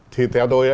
thì theo tôi